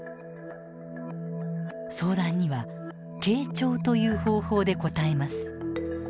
相談には傾聴という方法で応えます。